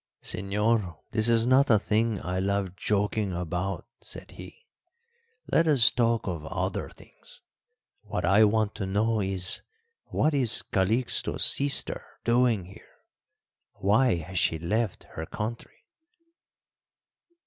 "Señor, this is not a thing I love joking about," said he. "Let us talk of other things. What I want to know is, what is Calixto's sister doing here? Why has she left her country?"